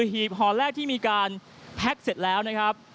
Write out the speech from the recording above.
หีบห่อแรกที่มีการแพ็คเสร็จแล้วนะครับ